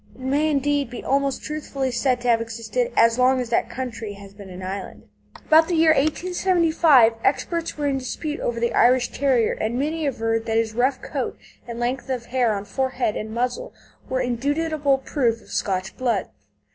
It may indeed be almost truthfully said to have existed "as long as that country has been an island." About the year 1875, experts were in dispute over the Irish Terrier, and many averred that his rough coat and length of hair on forehead and muzzle were indubitable proof of Scotch blood.